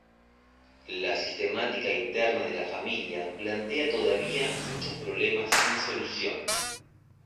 La sistemática interna de la familia plantea todavía muchos problemas sin solución, p.